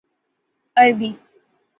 عربی